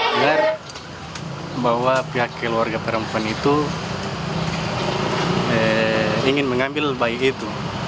agar bahwa pihak keluarga perempuan itu ingin mengambil bayi itu